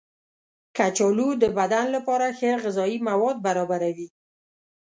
کچالو د بدن لپاره ښه غذايي مواد برابروي.